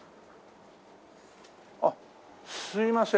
あっすいません。